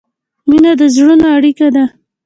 مینه د زړونو اړیکه ده.